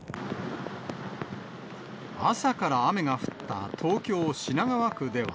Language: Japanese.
朝から雨が降った東京・品川区では。